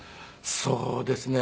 そうですね。